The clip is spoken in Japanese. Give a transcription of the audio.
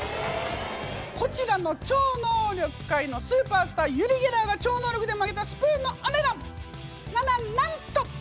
こちらの超能力界のスーパースターユリ・ゲラーが超能力で曲げたスプーンのお値段なななんと！